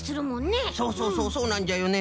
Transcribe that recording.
そうそうそうそうなんじゃよね。